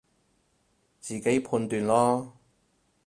自己判斷囉